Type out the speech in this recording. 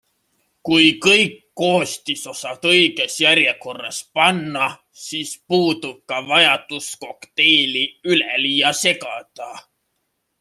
Kui kõik koostisosad õiges järjekorras panna, siis puudub ka vajadus kokteili üleliia segada.